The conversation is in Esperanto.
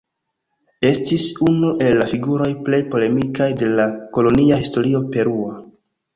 Estis unu el la figuroj plej polemikaj de la kolonia historio perua.